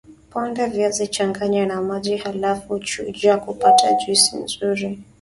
Ponda viazi changanya na maji halafu chuja kupata juisi nzuri